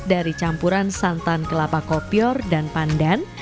dari campuran santan kelapa kopior dan pandan